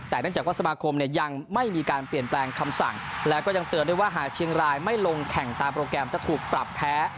แต่เนื่องจากว่าสมาคมเนี่ยยังไม่มีการเปลี่ยนแปลงคำสั่งแล้วก็ยังเตือนด้วยว่าหากเชียงรายไม่ลงแข่งตามโปรแกรมจะถูกปรับแพ้